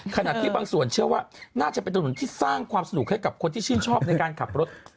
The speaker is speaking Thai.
ขณะที่บางส่วนเชื่อว่าน่าจะเป็นถนนที่สร้างความสนุกให้กับคนที่ชื่นชอบในการขับรถ